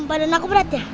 badan aku berat ya